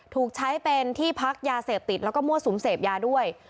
ถูกใช้เป็นที่พักยาเสพติดแล้วก็มั่วสุมเสพยาด้วย